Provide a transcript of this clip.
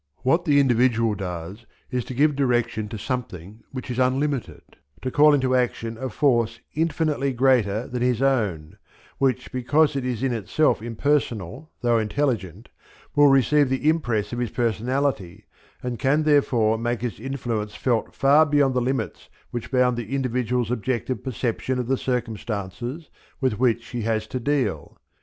What the individual does is to give direction to something which is unlimited, to call into action a force infinitely greater than his own, which because it is in itself impersonal though intelligent, will receive the impress of his personality, and can therefore make its influence felt far beyond the limits which bound the individual's objective perception of the circumstances with which he has to deal.